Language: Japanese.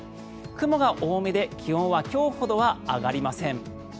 雲が多めで気温は今日ほどは上がりません。